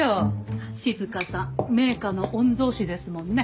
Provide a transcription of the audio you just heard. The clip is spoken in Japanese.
静さん名家の御曹司ですもんね。